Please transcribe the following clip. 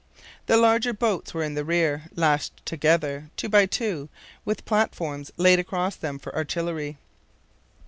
The larger boats were in the rear, lashed together, two by two, with platforms laid across them for artillery.